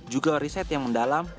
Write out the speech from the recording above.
juga riset yang mendalam